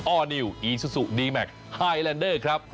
อร์นิวอีซูซูดีแมคไฮแลนเดอร์ครับ